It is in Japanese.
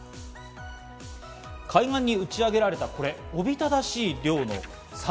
海岸に打ちあげられた、おびただしい量の魚。